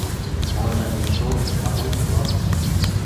Може, мішок або й два?